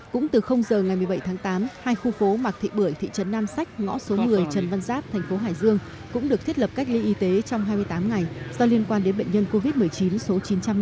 cũng từ giờ ngày một mươi bảy tháng tám hai khu phố mạc thị bưởi thị trấn nam sách ngõ số một mươi trần văn giáp thành phố hải dương cũng được thiết lập cách ly y tế trong hai mươi tám ngày do liên quan đến bệnh nhân covid một mươi chín số chín trăm năm mươi